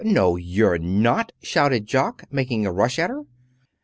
No, you're not!" shouted Jock, making a rush at her.